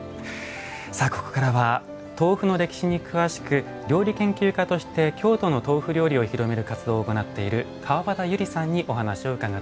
ここからは豆腐の歴史に詳しく料理研究家として京都の豆腐料理を広める活動を行っている川端友里さんにお話を伺ってまいります。